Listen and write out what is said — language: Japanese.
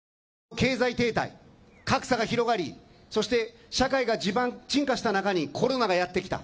経済停滞、格差が広がりそして社会が地盤沈下した中にコロナがやってきた。